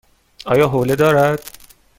آیا حوله دارد؟